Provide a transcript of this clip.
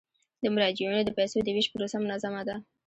د مراجعینو د پيسو د ویش پروسه منظمه ده.